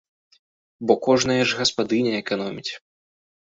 Бо кожная ж гаспадыня эканоміць.